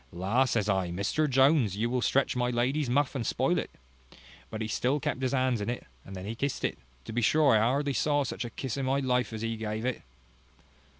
La! says I, Mr Jones, you will stretch my lady's muff, and spoil it: but he still kept his hands in it: and then he kissed it to be sure I hardly ever saw such a kiss in my life as he gave it."